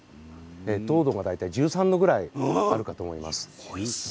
糖度は大体１３度ぐらいあるかと思います。